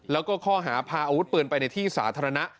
แล้วก็ข้อหาพาอาวุธปืนไปในที่สาธารณะ